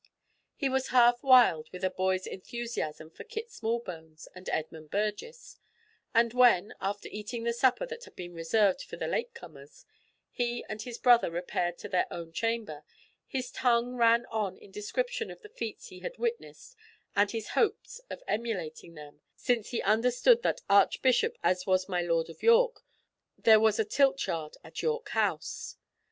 He was half wild with a boy's enthusiasm for Kit Smallbones and Edmund Burgess, and when, after eating the supper that had been reserved for the late comers, he and his brother repaired to their own chamber, his tongue ran on in description of the feats he had witnessed and his hopes of emulating them, since he understood that Archbishop as was my Lord of York, there was a tilt yard at York House.